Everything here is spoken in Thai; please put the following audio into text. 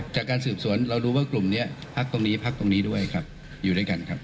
จากการสืบสวนเรารู้ว่ากลุ่มนี้พักตรงนี้พักตรงนี้ด้วยครับอยู่ด้วยกันครับ